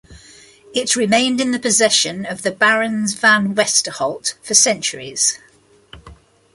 It remained in the possession of the barons Van Westerholt for centuries.